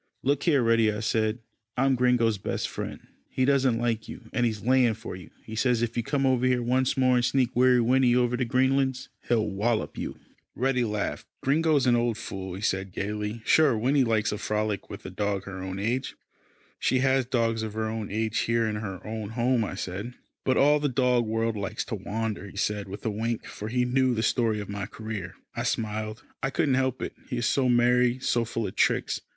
"Look here, Reddy," I said, "I'm Gringo's best friend. He doesn't like you, and he's laying for you. He says if you come over here once more and sneak Weary Winnie over to Greenlands, he'll wallop you." [Illustration: REDDY O'MARE CAME TROTTING ROUND THE CORNER OF THE BARN] Reddy laughed. "Gringo's an old fool," he said gaily. "Sure Winnie likes a frolic with a dog her own age." "She has dogs of her own age here in her own home," I said. "But all the dog world likes to wander," he said with a wink, for he knew the story of my career. I smiled. I couldn't help it. He is so merry, so full of tricks.